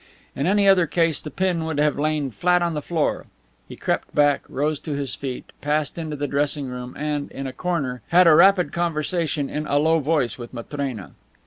In any other case the pin would have lain flat on the floor. He crept back, rose to his feet, passed into the dressing room and, in a corner, had a rapid conversation in a low voice with Matrena.